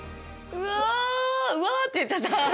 「うわ」って言っちゃった。